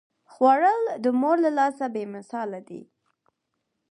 خوړل د مور له لاسه بې مثاله دي